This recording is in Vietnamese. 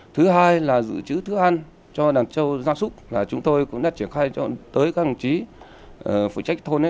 thứ hai là giữ chữ thức ăn cho đàn châu gia súc là chúng tôi cũng đã triển khai cho tới các đồng chí phụ trách thôn ấy